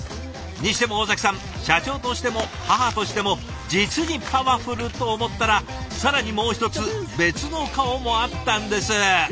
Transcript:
にしても尾崎さん社長としても母としても実にパワフルと思ったら更にもう一つ別の顔もあったんです。